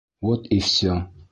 Вот и все!